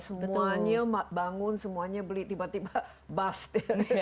semuanya bangun semuanya beli tiba tiba bus